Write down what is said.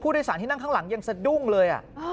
โดยสารที่นั่งข้างหลังยังสะดุ้งเลย